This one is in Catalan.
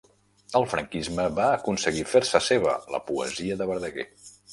El franquisme va aconseguir fer-se seva la poesia de Verdaguer